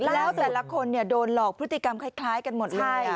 แล้วแต่ละคนโดนหลอกพฤติกรรมคล้ายกันหมดเลย